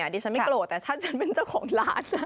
ดิฉันไม่โกรธแต่ถ้าฉันเป็นเจ้าของร้าน